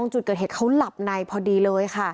จุดเกิดเหตุเขาหลับในพอดีเลยค่ะ